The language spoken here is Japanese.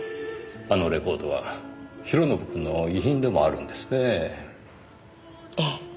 あのレコードは弘信くんの遺品でもあるんですねぇ。ええ。